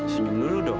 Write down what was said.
senyum dulu dong